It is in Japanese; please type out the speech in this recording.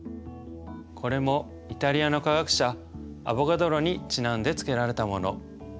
これもイタリアの科学者アボガドロにちなんで付けられたもの。